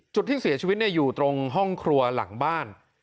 จุดที่เสียชีวิตอยู่ตรงห้องครัวหลังบ้าน